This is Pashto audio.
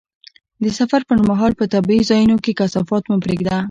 د سفر پر مهال په طبیعي ځایونو کې کثافات مه پرېږده.